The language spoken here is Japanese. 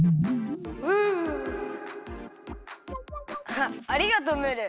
あありがとうムール。